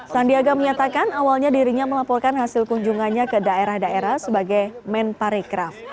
sandiaga menyatakan awalnya dirinya melaporkan hasil kunjungannya ke daerah daerah sebagai men parikraf